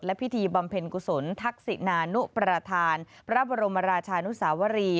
พิธีบำเพ็ญกุศลทักษินานุประธานพระบรมราชานุสาวรี